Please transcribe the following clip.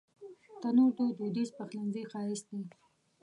تنور د دودیز پخلنځي ښایست دی